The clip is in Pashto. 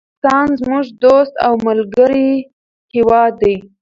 هندوستان زموږ دوست او ملګری هيواد ده